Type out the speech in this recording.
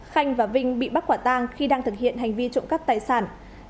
khanh và vinh bị bắt quả tăng khi đang thực hiện hành vi trộn cắp tài sản